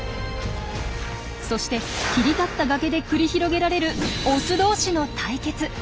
そして切り立った崖で繰り広げられるオス同士の対決。